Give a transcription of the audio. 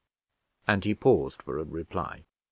and he paused for a reply.